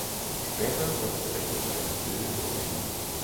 Später wurde der rechte Teil des Bildes weggeschnitten.